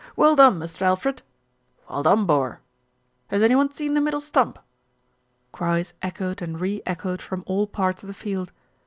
"Well done, Mist' Alfred." "Well done, bor." "Has any one seen the middle stump?" Cries echoed and re echoed from all parts of the field.